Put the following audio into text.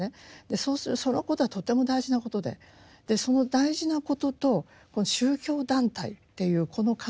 そうするとそのことはとても大事なことでその大事なことと宗教団体っていうこの関係が一体どうなってるのかと。